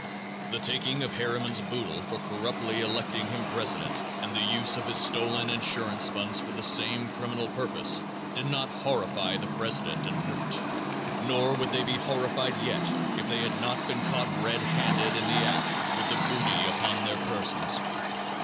The taking of Harriman's boodle for corruptly electing him president and the use of the stolen insurance funds for the same criminal purpose did not "horrify" the president and "Root," nor would they be "horrified" yet if they had not been caught red handed in the act with the booty upon their persons.